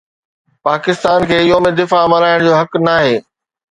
پاڪستان کي يوم دفاع ملهائڻ جو حق ناهي